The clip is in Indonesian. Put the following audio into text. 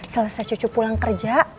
selesai cucu pulang kerja